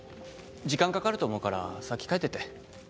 時間かかると思うから先帰ってて。